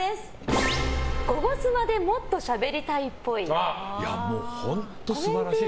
「ゴゴスマ」でもっとしゃべりたいっぽい。